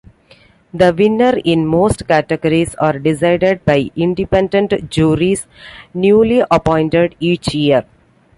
The winners in most categories are decided by independent juries, newly-appointed each year.